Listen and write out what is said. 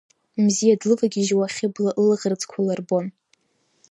Мзиа длывагьежьуа Хьыбла лылаӷырӡқәа лырбон.